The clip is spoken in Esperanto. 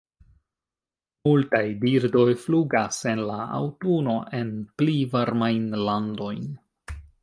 Multaj birdoj flugas en la aŭtuno en pli varmajn landojn.